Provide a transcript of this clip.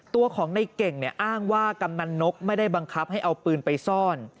ตัวของในเก่งอ้างว่ากำนันนกไม่ได้บังคับให้เอาปืนไปซ่อน